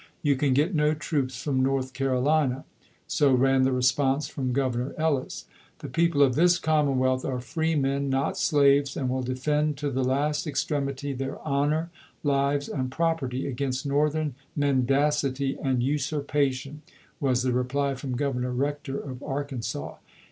You can get no troops from North Carolina." So ran the response from Governor Ellis. " The people of this commonwealth are freemen, not slaves, and will defend to the last ex tremity their honor, lives, and property against Northern mendacity and usurpation," was the re ply from Governor Rector of Arkansas.